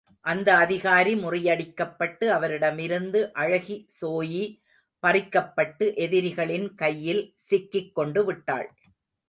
அந்த அதிகாரி முறியடிக்கப்பட்டு அவரிடமிருந்து அழகி ஸோயி பறிக்கப்பட்டு எதிரிகளின் கையில் சிக்கிக் கொண்டு விட்டாள்.